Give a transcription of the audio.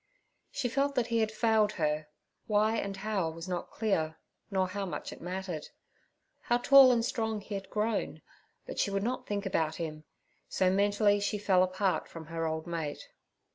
She felt that he had failed her, why and how was not clear, nor how much it mattered. How tall and strong he had grown, but she would not think about him, so mentally she fell apart from her old mate.